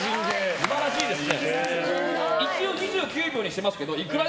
素晴らしいですね。